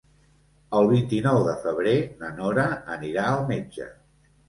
El vint-i-nou de febrer na Nora anirà al metge.